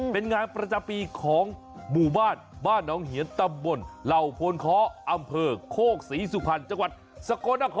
เป็นงานประจำปีของหมู่บ้านบ้านน้องเหียนตำบลเหล่าโพนเคาะอำเภอโคกศรีสุพรรณจังหวัดสกลนคร